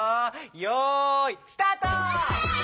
よいスタート！